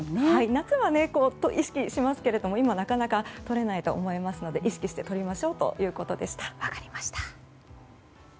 夏は意識しますけれども今はなかなかとれないと思いますので意識してとりましょうということでした。